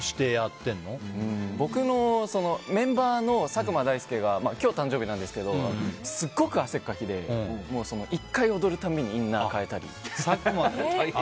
僕のメンバーの佐久間大介が今日、誕生日なんですけどすごく汗かきで１回踊る度にインナー替えたり。